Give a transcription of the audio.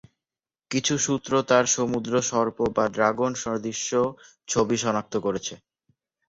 কিছু সূত্র তার সমুদ্র সর্প বা ড্রাগন সদৃশ ছবি শনাক্ত করেছে।